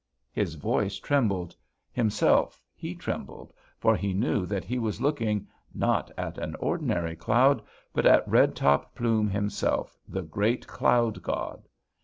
"His voice trembled. Himself, he trembled; for he knew that he was looking not at an ordinary cloud, but at Red Top Plume himself, the great cloud god!